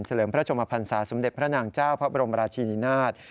ลิมพระชมพันศาสมเด็จพระนางเจ้าพระบรมราชินินาศ